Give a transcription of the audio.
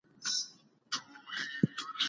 سیاسي مشارکت د ټولنې مسؤلیت دی